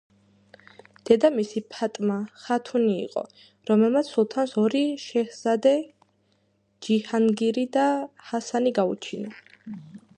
დედამისი ფატმა ხათუნი იყო, რომელმაც სულთანს ორი შეჰზადე: ჯიჰანგირი და ჰასანი გაუჩინა.